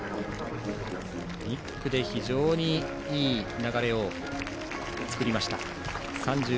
１区で非常にいい流れを作りました。